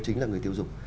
chính là người tiêu dùng